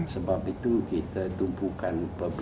sebab itu kita tumpukan